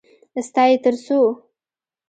_ستا يې تر څو؟